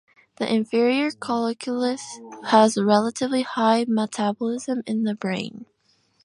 The inferior colliculus has a relatively high metabolism in the brain.